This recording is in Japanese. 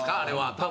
多分。